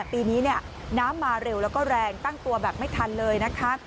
ปีนี้น้ำมาเร็วแล้วก็แรงตั้งตัวแบบไม่ทันเลยนะคะ